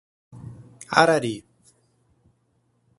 Arari